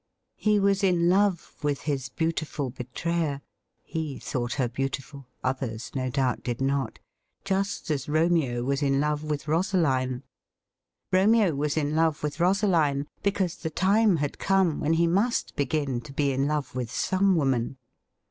He was in love with his beautiful betrayer — ^he thought her beautiful ; others, no doubt, did not — just as Romeo was in love with Rosaline. Romeo was in love with Rosaline because the time had come when he must begin to be in love with some woman.